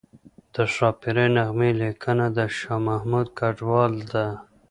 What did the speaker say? د ښاپیرۍ نغمې لیکنه د شاه محمود کډوال ده